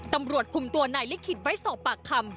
ตำรวจคุมตัวนายลิขิตไว้สอบปากคำ